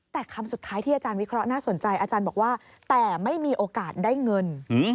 แต่คำสุดท้ายที่อาจารย์วิเคราะห์น่าสนใจอาจารย์บอกว่าแต่ไม่มีโอกาสได้เงิน